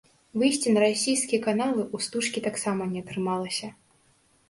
Выйсці на расійскія каналы ў стужкі таксама не атрымалася.